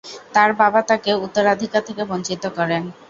তার বাবা তাকে উত্তরাধিকার থেকে বঞ্চিত করেন।